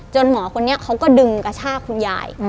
หมอคนนี้เขาก็ดึงกระชากคุณยาย